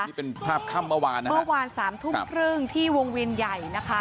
นี่เป็นภาพค่ำเมื่อวานนะเมื่อวานสามทุ่มครึ่งที่วงเวียนใหญ่นะคะ